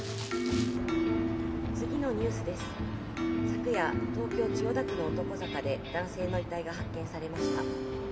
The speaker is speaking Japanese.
昨夜東京千代田区の男坂で男性の遺体が発見されました。